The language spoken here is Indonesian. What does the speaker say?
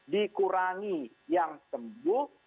dikurangi yang sembuh